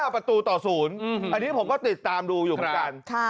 ประตูต่อ๐อันนี้ผมก็ติดตามดูอยู่เหมือนกัน